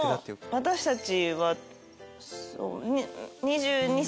私たちは２２２３。